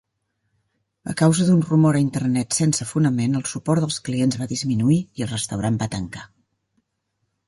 A causa d'un rumor en Internet sense fonament, el suport dels clients va disminuir i el restaurant va tancar.